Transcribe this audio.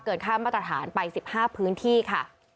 ค่ามาตรฐานไป๑๕พื้นที่ค่ะ